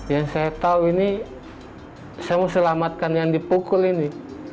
yang saya tahu ini saya mau selamatkan yang dipukul ini